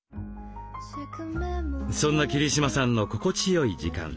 そんな桐島さんの心地よい時間。